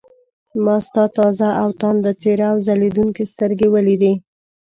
ما ستا تازه او تانده څېره او ځلېدونکې سترګې ولیدې.